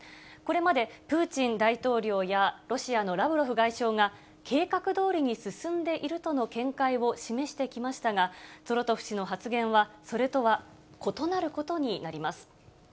これまで、プーチン大統領や、ロシアのラブロフ外相が計画どおりに進んでいるとの見解を示してきましたが、ゾロトフ氏の発言は、それとは異なることになります。